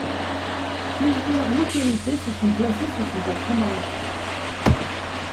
Plusieurs localités se sont placées sous son patronage.